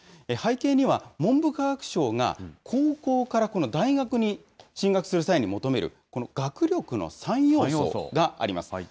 背景には文部科学省が、高校から大学に進学する際に求める学力の３要素があります。